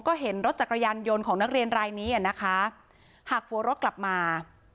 ก็เห็นรถจักรยานยนต์ของนักเรียนรายนี้อ่ะนะคะหักหัวรถกลับมา